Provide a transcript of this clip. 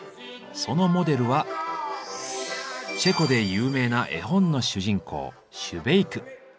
そのモデルはチェコで有名な絵本の主人公シュベイク。